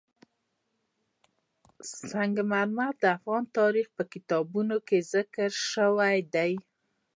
سنگ مرمر د افغان تاریخ په کتابونو کې ذکر شوی دي.